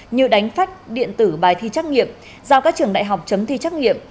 như đánh phách điện tử bài thi trắc nghiệm giao các trường đại học chấm thi trắc nghiệm